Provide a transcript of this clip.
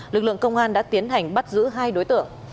lực lượng công an đã tiến hành bắt giữ hai đối tượng